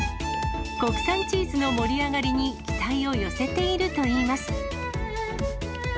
国産チーズの盛り上がりに期待を寄せているといいます。